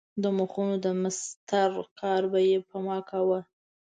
د مخونو د مسطر کار به یې په ما کاوه.